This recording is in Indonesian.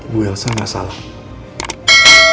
bu wilson tidak salah